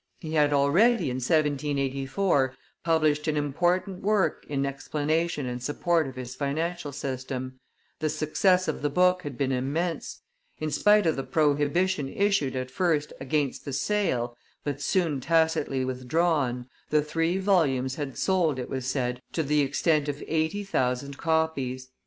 He had already, in 1784, published an important work in explanation and support of his financial system; the success of the book had been immense; in spite of the prohibition issued, at first, against the sale, but soon tacitly withdrawn, the three volumes had sold, it was said, to the extent of eighty thousand copies.